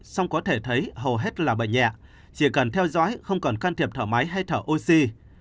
song có thể thấy hầu hết là bệnh nhẹ chỉ cần theo dõi không còn can thiệp thở máy hay thở oxy